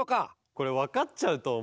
これわかっちゃうとおもう。